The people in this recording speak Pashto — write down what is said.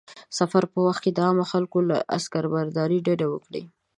د سفر په وخت کې د عامو خلکو له عکسبرداري ډډه وکړه.